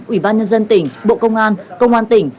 ủy ban nhân dân tỉnh bộ công an công an tỉnh